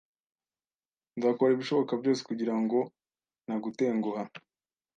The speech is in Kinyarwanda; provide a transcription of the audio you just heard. Nzakora ibishoboka byose kugirango ntagutenguha